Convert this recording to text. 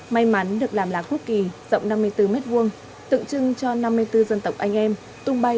may mắn được làm lá quốc kỳ rộng năm mươi bốn m hai tượng trưng cho năm mươi bốn dân tộc anh em tung bay